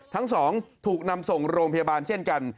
ทั้งสองถูกนำส่งโรงพยาบาลเช่นกัน